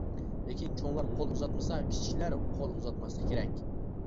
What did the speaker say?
لېكىن چوڭلار قول ئۇزاتمىسا، كىچىكلەر قول ئۇزاتماسلىقى كېرەك.